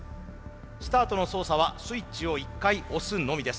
スタートの操作はスイッチを１回押すのみです。